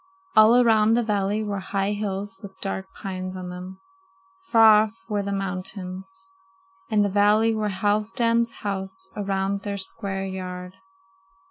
All around the valley were high hills with dark pines on them. Far off were the mountains. In the valley were Halfdan's houses around their square yard.